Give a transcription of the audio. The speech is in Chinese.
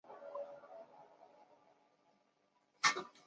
经过兰斯白房站的所有列车均经过兰斯站。